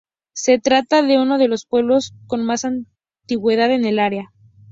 Se trata de uno de los pueblos con más antigüedad en el área.